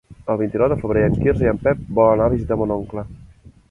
El vint-i-nou de febrer en Quirze i en Pep volen anar a visitar mon oncle.